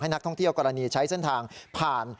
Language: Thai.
นักท่องเที่ยวกรณีใช้เส้นทางผ่าน